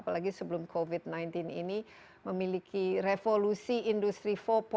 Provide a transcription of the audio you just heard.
apalagi sebelum covid sembilan belas ini memiliki revolusi industri empat